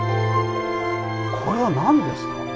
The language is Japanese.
これは何ですか？